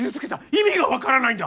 意味が分からないんだ。